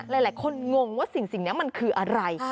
หลายคนงงว่าสิ่งนี้มันคืออะไร